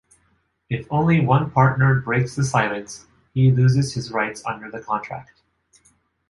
If only one partner breaks the silence, he loses his rights under the contract.